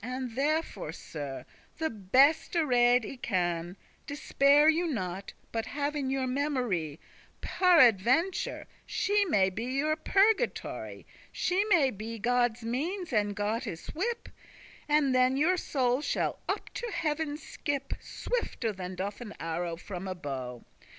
And therefore, Sir, *the beste rede I can,* *this is the best counsel Despair you not, but have in your memory, that I know* Paraventure she may be your purgatory; She may be Godde's means, and Godde's whip; And then your soul shall up to heaven skip Swifter than doth an arrow from a bow.